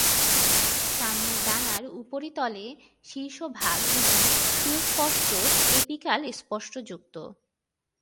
সামনের ডানার উপরিতলে শীর্ষভাগ দুটি সুস্পষ্ট এপিকাল স্পষ্টযুক্ত।